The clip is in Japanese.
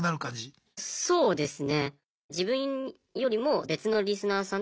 あそうですね。